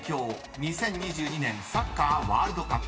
２０２２年サッカーワールドカップ］